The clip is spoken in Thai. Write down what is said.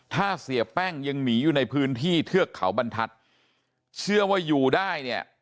ถ้าเสียแป้งยังหนีอยู่ในพื้นที่เทือกเขาบรรทัศน์เชื่อว่าอยู่ได้เนี่ย